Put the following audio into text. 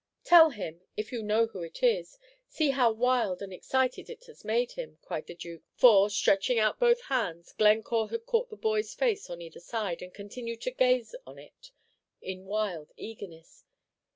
"Tell him, if you know who it is; see how wild and excited it has made him," cried the Duke; for, stretching out both hands, Glencore had caught the boy's face on either side, and continued to gaze on it, in wild eagerness.